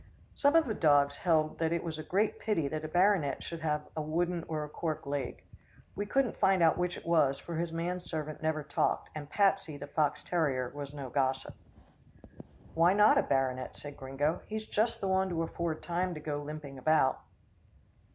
Some of the dogs held that it was a great pity that a baronet should have a wooden or a cork leg we couldn't find out which it was, for his man servant never talked, and Patsie, the fox terrier, was no gossip. "Why not a baronet?" said Gringo. "He's just the one to afford time to go limping about."